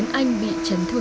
chín năm trước thì